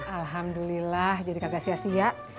alhamdulillah jadi kagak sia sia